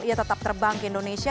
ia tetap terbang ke indonesia